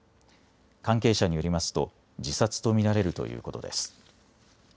関係者によりますと自殺と見られるということです。